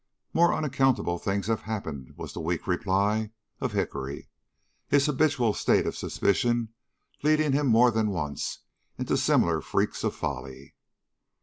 "More unaccountable things have happened," was the weak reply of Hickory, his habitual state of suspicion leading him more than once into similar freaks of folly.